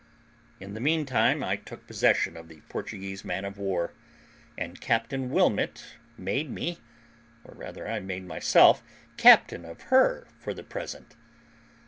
In the meantime I took possession of the Portuguese man of war; and Captain Wilmot made me, or rather I made myself, captain of her for the present.